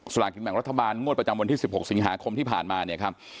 ลากินแบ่งรัฐบาลงวดประจำวันที่๑๖สิงหาคมที่ผ่านมาเนี่ยครับ